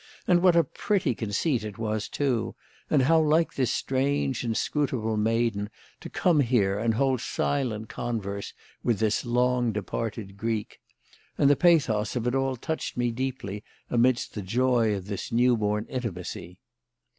And what a pretty conceit it was, too, and how like this strange, inscrutable maiden, to come here and hold silent converse with this long departed Greek. And the pathos of it all touched me deeply amidst the joy of this newborn intimacy.